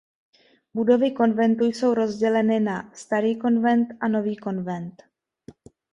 Budovy konventu jsou rozděleny na "Starý konvent" a "Nový konvent".